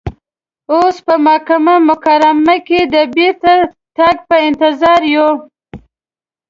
اوس په مکه مکرمه کې د بیرته تګ په انتظار یو.